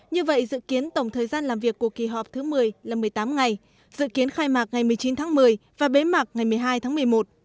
như vậy dự kiến tổng thời gian làm việc của kỳ họp thứ một mươi là một mươi tám ngày dự kiến khai mạc ngày một mươi chín tháng một mươi và bế mạc ngày một mươi hai tháng một mươi một